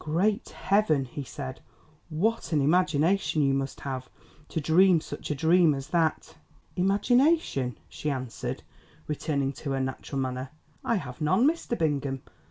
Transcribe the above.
"Great heaven!" he said, "what an imagination you must have to dream such a dream as that." "Imagination," she answered, returning to her natural manner. "I have none, Mr. Bingham.